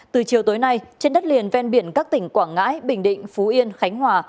từ chiều tối nay trên đất liền ven biển các tỉnh quảng ngãi bình định phú yên khánh hòa